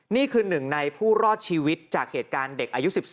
นี่คือหนึ่งในผู้รอดชีวิตจากเหตุการณ์เด็กอายุ๑๔